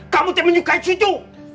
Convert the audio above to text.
kamu tidak peduli cucu